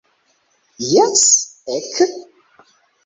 Jes, ek!